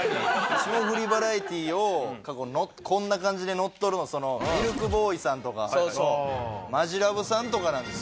『霜降りバラエティ』を過去こんな感じでのっとるのミルクボーイさんとかマヂラブさんとかなんです。